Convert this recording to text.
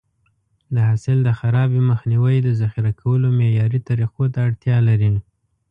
د حاصل د خرابي مخنیوی د ذخیره کولو معیاري طریقو ته اړتیا لري.